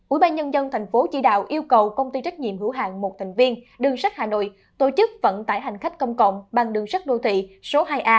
ubnd tp hcm yêu cầu công ty trách nhiệm hữu hạn một thành viên đường sát hà nội tổ chức vận tải hành khách công cộng bằng đường sát đô thị số hai a